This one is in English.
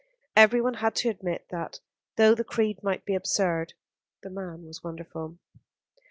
Everyone had to admit that, though the creed might be absurd, the man was wonderful.